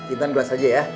intan gua saja ya